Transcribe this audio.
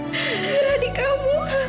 mira di kamu